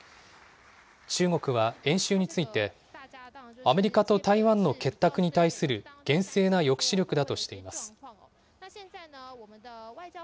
中国は演習について、アメリカと台湾の結託に対する厳正な抑止力だとしています。